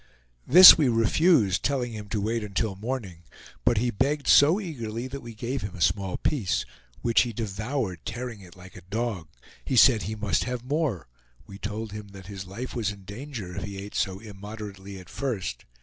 This we refused, telling him to wait until morning, but he begged so eagerly that we gave him a small piece, which he devoured, tearing it like a dog. He said he must have more. We told him that his life was in danger if he ate so immoderately at first.